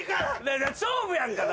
勝負やんか。